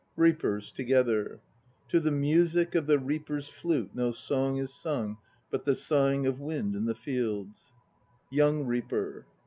REAPERS (together). To the music of the reaper's flute No song is sung But the sighing of wind in the fields. YOUNG REAPER.